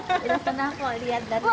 oh sudah senang pak lihat dari sini